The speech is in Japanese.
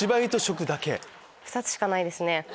２つしかないですね。